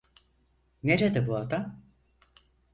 Nerede bu adam?